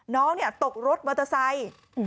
น้องเนี่ยตกรถมอเตอร์ไซด์